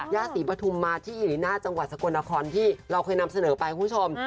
ย่าศรีปฐุมมาที่อิริน่าจังหวัดสกลนครที่เราเคยนำเสนอไปคุณผู้ชม